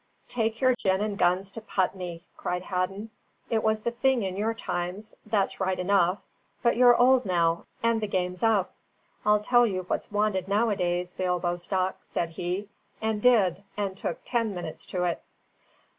"Take your gin and guns to Putney!" cried Hadden. "It was the thing in your times, that's right enough; but you're old now, and the game's up. I'll tell you what's wanted now a days, Bill Bostock," said he; and did, and took ten minutes to it.